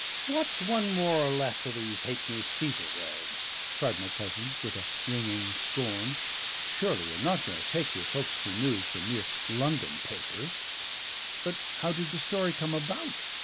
"What's one more or less of these ha'penny fever rags?" cried my cousin with a ringing scorn. "Surely you're not going to take your Folkestone news from mere London papers." "But how did the story come about?"